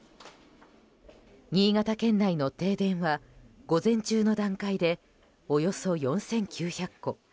新潟県内の停電は午前中の段階でおよそ４９００戸。